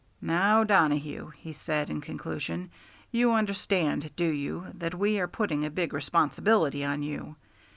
"Now, Donohue," he said, in conclusion, "you understand, do you, that we are putting a big responsibility on you?